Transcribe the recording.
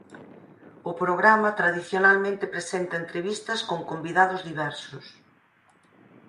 O programa tradicionalmente presenta entrevistas con convidados diversos.